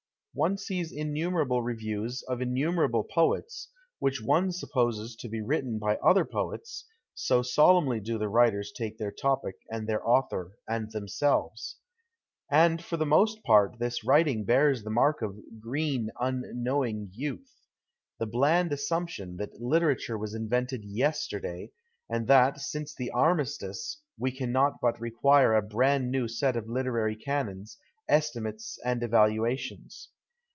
One sees innumerable reviews of innumerable poets, which one supposes to l)e written by other poets, so solemnly do the writers take their topic and their author and themselves. And for the most part this writing bears the mark of " green, unknowing youth '— the bland assumption that literature was invented yesterday, and that, since the Armistice, we cannot but require a brand new set of literary canons, estimates, and evaluations.